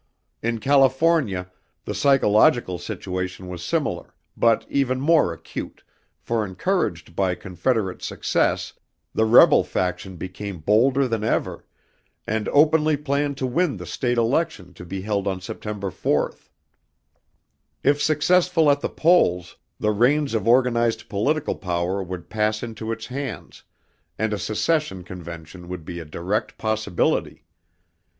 In California the psychological situation was similar but even more acute, for encouraged by Confederate success, the rebel faction became bolder than ever, and openly planned to win the state election to be held on September 4. If successful at the polls, the reins of organized political power would pass into its hands and a secession convention would be a direct possibility.